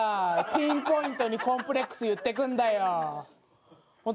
ピンポイントにコンプレックス言ってくるんだよ。